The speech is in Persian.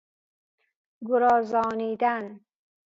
گرازانیدن